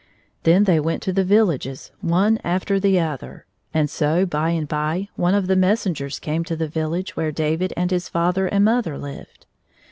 Then they went to the villages, one after the other; and so, by and by, one of the messengers came to the village where David and his father and mother lived.